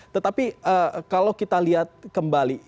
tetapi kalau kita lihat kembali